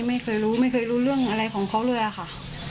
ไม่เคยรู้ไม่เคยรู้เรื่องอะไรของเขาเลยค่ะ